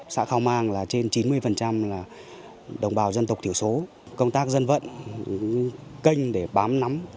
xã khao mang là trên chín mươi là đồng bào dân tộc thiểu số công tác dân vận kênh để bám nắm